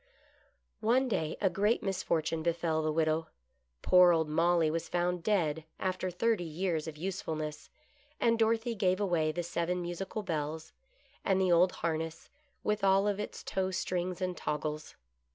One day a great misfortune befell the widow. Poor GOOD LUCK. 51 old " Molly " was found dead, after thirty years of use fulness, and Dorothy gave away the seven musical bells, and the old har ness, with all of its tow strings and toggles.